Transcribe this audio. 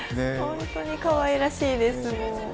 ホントにかわいらしいです。